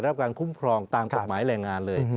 รับการคุ้มครองตามกฎหมายแรงงานเลย